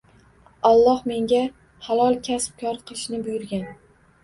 Alloh menga halol kasb-kor qilishni buyurgan.